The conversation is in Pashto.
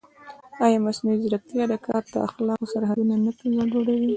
ایا مصنوعي ځیرکتیا د کار د اخلاقو سرحدونه نه ګډوډوي؟